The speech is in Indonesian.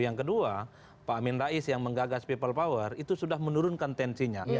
yang kedua pak amin rais yang menggagas people power itu sudah menurunkan tensinya